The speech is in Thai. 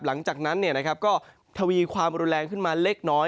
หลังจากนั้นก็ทวีความรุนแรงขึ้นมาเล็กน้อย